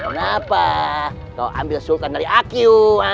kenapa kau ambil sultan dari aq